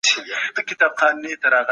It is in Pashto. هغې ویلچیر کاروي.